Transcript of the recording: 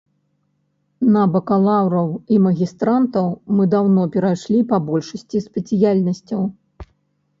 На бакалаўраў і магістрантаў мы даўно перайшлі па большасці спецыяльнасцяў.